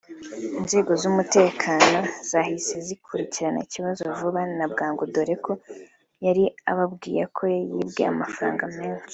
Inzego z’umutekano zahise zikurikirana ikibazo vuba na bwangu dore ko yari ababwiye ko yibwe amafaranga menshi